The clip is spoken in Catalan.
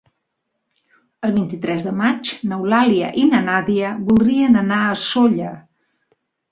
El vint-i-tres de maig n'Eulàlia i na Nàdia voldrien anar a Sóller.